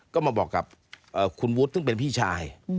ก็มาบอกกับคุณวุฒิซึ่งเป็นพี่ชาย